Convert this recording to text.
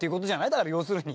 だから要するに。